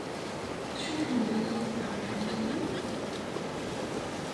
Tcukkem belli Yuba iḥemmel-iyi?